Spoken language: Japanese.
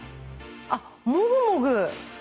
あっもぐもぐ。